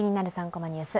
３コマニュース」